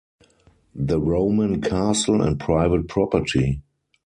The Roman castle and private property.